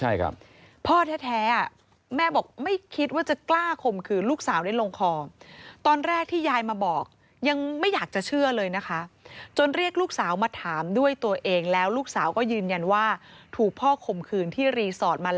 อยากให้ตำรวจเร่งจับตัวมาดำเนินคดี